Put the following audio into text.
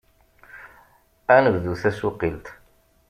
Ad nebdu tasuqilt!